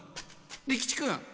利吉君。